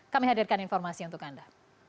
kami hadirkan informasi untuk anda